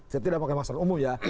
saya tidak pakai masker umum ya